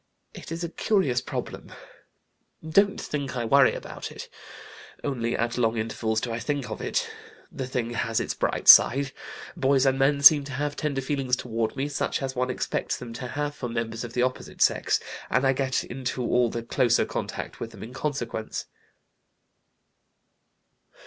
It is a curious problem. Don't think I worry about it. Only at long intervals do I think of it.... The thing has its bright side. Boys and men seem to have tender feelings toward me, such as one expects them to have for members of the opposite sex, and I get into all the closer contact with them in consequence."